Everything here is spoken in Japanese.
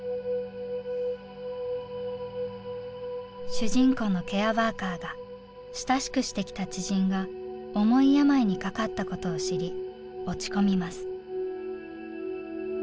主人公のケアワーカーが親しくしてきた知人が重い病にかかったことを知り落ち込みます。